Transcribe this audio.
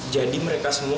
jadi mereka semua